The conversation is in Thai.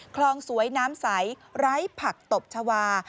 คลองสวยน้ำใสไร้ผักตบชาวา